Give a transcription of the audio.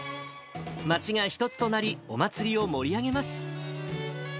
街が一つとなり、お祭りを盛り上げます。